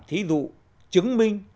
thí dụ chứng minh